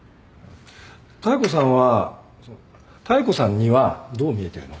妙子さんは妙子さんにはどう見えてるの？